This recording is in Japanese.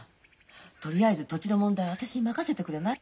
とりあえず土地の問題は私に任せてくれない？